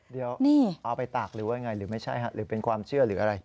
เดี๋ยวเอาไปตากหรือว่ายังไงหรือไม่ใช่หรือเป็นความเชื่อหรืออะไร